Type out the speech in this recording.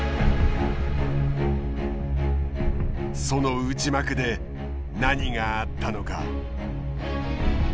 その内幕で何があったのか。